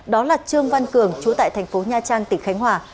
đó là trương văn cường chú tại thành phố nha trang tỉnh khánh hòa